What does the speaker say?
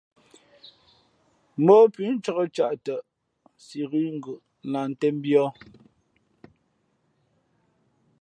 Móꞌ pʉ̌ ncāk ncaꞌ tα, si ghʉ̌ ngʉ̌ꞌ lah ntēn mbīᾱ.